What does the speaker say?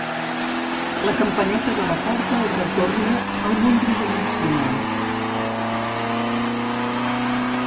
La campaneta de la porta el retorna al món tridimensional.